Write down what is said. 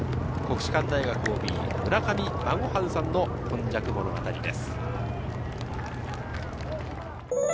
国士舘大学ＯＢ・村上孫晴さんの今昔物語です。